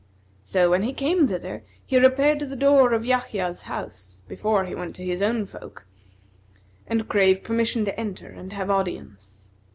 So when he came thither, he repaired to the door of Yahya's house, before he went to his own folk, and craved permission to enter and have audience.